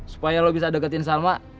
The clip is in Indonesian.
supaya lo bisa deketin sama